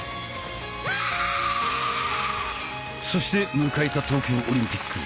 そして迎えた東京オリンピック。